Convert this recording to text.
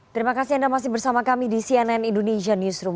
terima kasih anda masih bersama kami di cnn indonesian newsroom